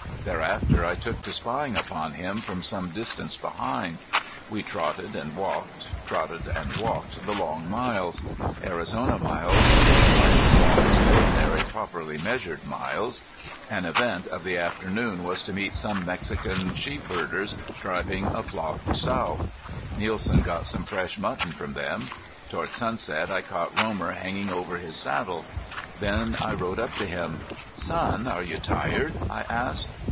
Thereafter I took to spying upon him from some distance behind. We trotted and walked, trotted and walked the long miles. Arizona miles were twice as long as ordinary properly measured miles. An event of the afternoon was to meet some Mexican sheepherders, driving a flock south. Nielsen got some fresh mutton from them. Toward sunset I caught Romer hanging over his saddle. Then I rode up to him. "Son, are you tired?" I asked.